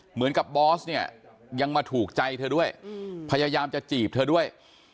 เหมือนกับบอสเนี่ยยังมาถูกใจเธอด้วยพยายามจะจีบเธอด้วย